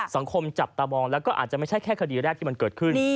สังคมจับตามองแล้วก็อาจจะไม่ใช่แค่คดีแรกที่มันเกิดขึ้น